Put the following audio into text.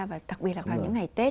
và thặc biệt là vào những ngày tết